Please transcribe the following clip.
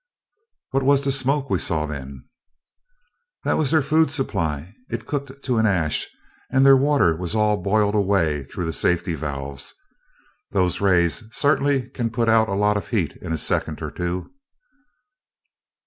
"What was the smoke we saw, then?" "That was their food supply. It's cooked to an ash, and their water was all boiled away through the safety valves. Those rays certainly can put out a lot of heat in a second or two!"